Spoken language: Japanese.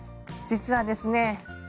実はですね